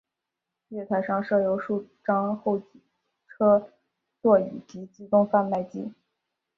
月台上设有数张候车座椅及自动售卖机。